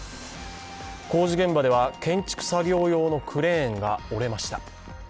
工事現場では建築作業用のクレーンが折れました。